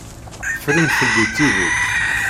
Ffren fell-i tidet.